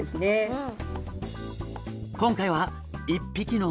うん。